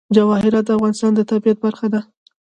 جواهرات د افغانستان د طبیعت برخه ده.